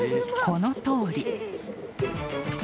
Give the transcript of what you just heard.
このとおり。